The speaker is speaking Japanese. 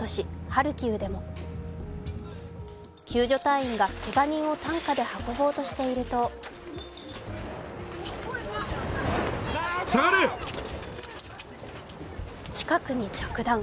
ハルキウでも救助隊員がけが人を担架で運ぼうとしていると近くに着弾。